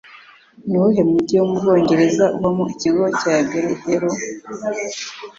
Ni uwuhe mujyi wo mu Bwongereza ubamo ikigo cya Bredero?